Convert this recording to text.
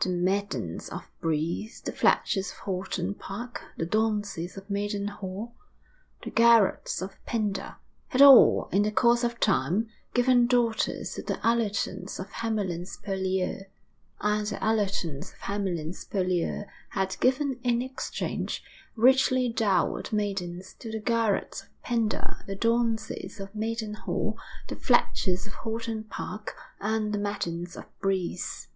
The Maddens of Brise, the Fletchers of Horton Park, the Daunceys of Maiden Hall, the Garrods of Penda, had all, in the course of time, given daughters to the Allertons of Hamlyn's Purlieu; and the Allertons of Hamlyn's Purlieu had given in exchange richly dowered maidens to the Garrods of Penda, the Daunceys of Maiden Hall, the Fletchers of Horton Park, and the Maddens of Brise.